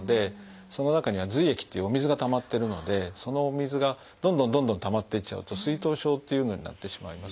その中には「髄液」っていうお水がたまってるのでそのお水がどんどんどんどんたまっていっちゃうと「水頭症」というのになってしまいます。